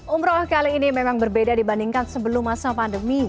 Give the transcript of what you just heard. umroh kali ini memang berbeda dibandingkan sebelum masa pandemi